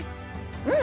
うん！